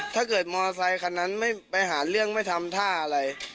ถ้าเกิดมอเตอร์ไซคันนั้นไม่ไปหาเรื่องไม่ทำท่าอะไร